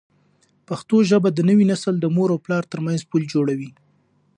پښتو ژبه د نوي نسل د مور او پلار ترمنځ پل جوړوي.